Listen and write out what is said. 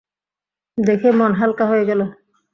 দেখে মন হালকা হয়ে গেলো।